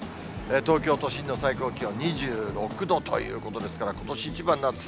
東京都心の最高気温２６度ということですから、ことし一番の暑さ。